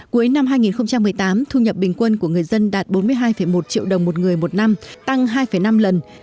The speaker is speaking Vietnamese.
cuối năm hai nghìn một mươi tám thu nhập bình quân của người dân đạt bốn mươi hai một triệu đồng một người một năm tăng hai năm lần